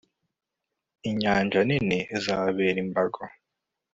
inyanja nini izababera imbago